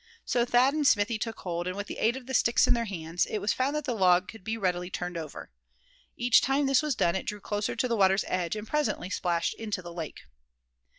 So Thad and Smithy took hold, and with the aid of the sticks in their hands it was found that the log could be readily turned over. Each time this was done it drew closer to the water's edge, and presently splashed into the lake.